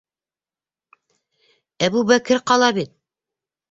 Әбүбәкер ҡала бит!